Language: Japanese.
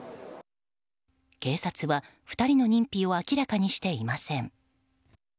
警察は２人の認否を明らかにしていません。